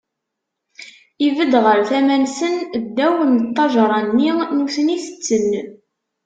Ibedd ɣer tama-nsen, ddaw n ṭṭajṛa-nni, nutni tetten.